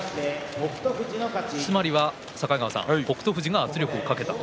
つまり境川さん北勝富士が圧力をかけたと。